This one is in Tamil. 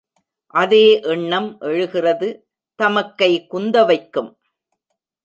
அதே எண்ணம் எழுகிறது தமக்கை குந்தவைக்கும்.